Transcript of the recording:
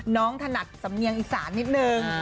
น้องถนัดสำเนียงอีสานนิดหนึ่ง